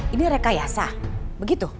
ini rekayasa begitu